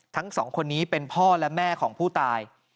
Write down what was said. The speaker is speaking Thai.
ทั้งสองคนนี้เป็นพ่อและแม่ของผู้ตาย